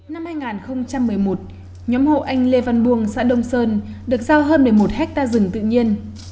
năm hai nghìn một mươi một nhóm hộ anh lê văn buông xã đông sơn được giao hơn một mươi một hectare rừng tự nhiên